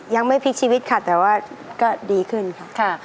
ยังไม่พลิกชีวิตค่ะแต่ว่าก็ดีขึ้นค่ะ